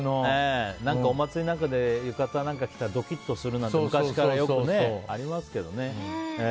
お祭りなんかで浴衣着たらドキッとするなんて昔からよくありますけどね。